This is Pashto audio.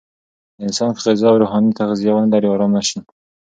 انسان که غذا او روحاني تغذیه ونلري، آرام نه شي.